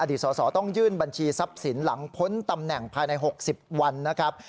สอสอต้องยื่นบัญชีทรัพย์สินหลังพ้นตำแหน่งภายใน๖๐วันนะครับ